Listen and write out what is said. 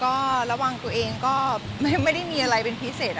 ก็ระวังตัวเองก็ไม่ได้มีอะไรเป็นพิเศษ